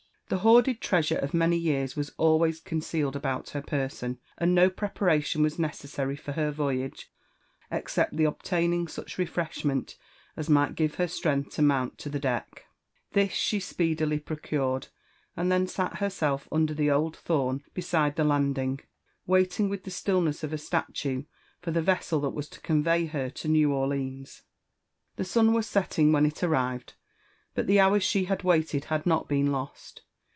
The hoarded trea sure of many years was always concealed about her person, and no preparation was necessary for her voyage except the obtaining such refreshment as might give her strength to mount to the deck. This she speedily procured, and then sat herself under the old thorn beside the landing, wailing with the stillness of a statue for the vessel that was to convey her to New Orleans. JONATHAN JEFFERSON WHITLAW.. 345 The son was setting when it arrived, but the hours she bad waited had not been lost.